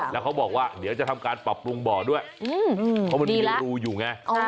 แล้วเขาบอกว่าเดี๋ยวจะทำการปรับปรุงบ่อด้วยเพราะมันมีรูอยู่ไง